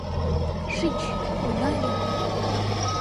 — Шич, уна лий!